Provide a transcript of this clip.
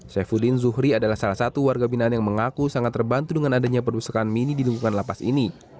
saifuddin zuhri adalah salah satu warga binaan yang mengaku sangat terbantu dengan adanya perpustakaan mini di lingkungan lapas ini